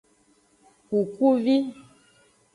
Kukuvi.